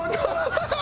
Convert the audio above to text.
ハハハハ！